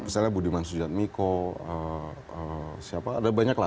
misalnya budiman sujadmiko siapa ada banyak lah